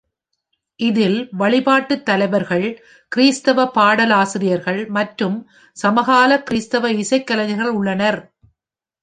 இதில் வழிபாட்டுத் தலைவர்கள், கிறிஸ்தவ பாடலாசிரியர்கள் மற்றும் சமகால கிறிஸ்தவ இசைக் கலைஞர்கள் உள்ளனர்.